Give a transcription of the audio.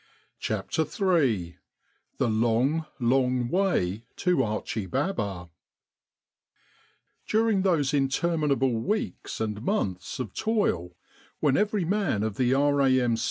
CHAPTER III " THE LONG, LONG WAY TO ACHI BABA " DURING those interminable weeks and months of toil, when every man of the R.A.M.